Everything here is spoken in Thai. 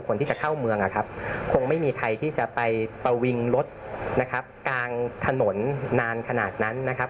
คนที่จะเข้าเมืองนะครับคงไม่มีใครที่จะไปประวิงรถนะครับกลางถนนนานขนาดนั้นนะครับ